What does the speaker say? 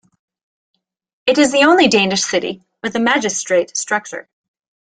It is the only Danish city with a magistrate structure.